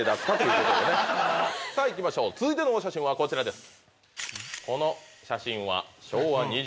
いきましょう続いてのお写真はこちらです。